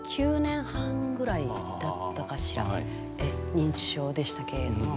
認知症でしたけれども。